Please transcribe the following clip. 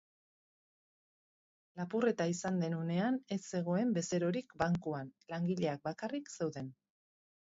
Lapurreta izan den unean ez zegoen bezerorik bankuan, langileak bakarrik zeuden.